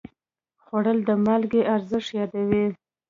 خوړل د مالګې ارزښت یادوي